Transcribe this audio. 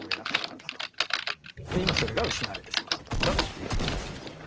で今それが失われてしまったんだっていうことですね。